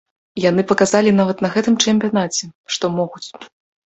Яны паказалі нават на гэтым чэмпіянаце, што могуць.